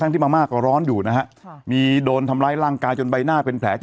ที่มาม่าก็ร้อนอยู่นะฮะค่ะมีโดนทำร้ายร่างกายจนใบหน้าเป็นแผลที่